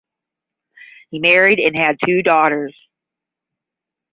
He married and had two daughters.